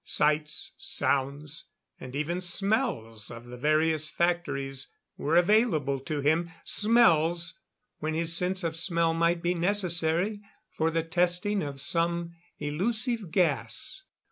Sights, sounds, and even smells of the various factories were available to him smells when his sense of smell might be necessary for the testing of some elusive gas.